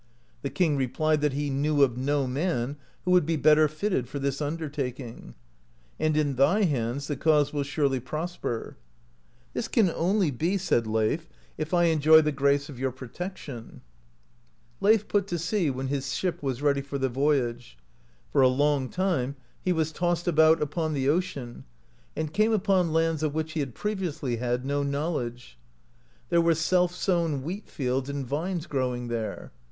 The king replied that he knew of no man who would be better fitted for this undertaking, "and in thy hands the cause will surely prosper." "This can only be," said Leif, "if I enjoy the 41 AMERICA DISCOVERED BY NORSEMEN grace of your protection." Leif put to sea when his ship was ready for the voyage. For a long time he was tossed about upon the ocean, and came upon lands of which he had previously had no knowledge. There were self sown wheat fields and vines growing there.